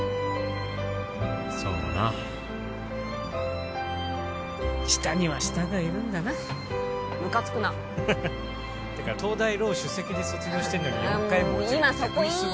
そうだな下には下がいるんだなむかつくなてか東大ロー首席で卒業してんのに４回も落ちるって逆にすごくない？